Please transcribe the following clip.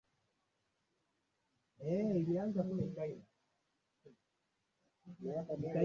ulioanzishwa mwaka elfu moja mia tisa sitini na tatu